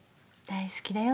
大好きだよ。